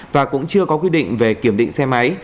và cũng chưa có quy định về kiểm định xe máy